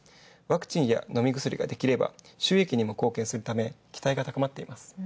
ワクチンや飲み薬ができれば、収益に貢献するため、期待が高まっています。